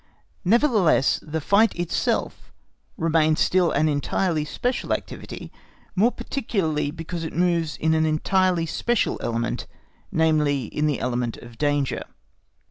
Nevertheless, the fight itself remains still an entirely special activity, more particularly because it moves in an entirely special element, namely, in the element of danger.